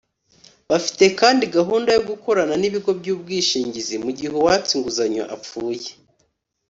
Bafite kandi gahunda yo gukoran n’ibigo by’ubwishingizi mu gihe uwatse inguzanyo apfuye